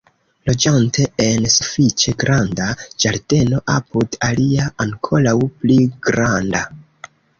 Loĝante en sufiĉe granda ĝardeno apud alia ankoraŭ pli granda.